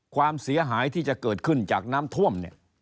ความเสียหายที่จะเกิดขึ้นจากน้ำท่วมเนี่ย